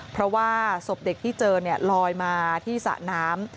เพราะว่าศพเด็กที่เจอลอยมาที่สระน้ำ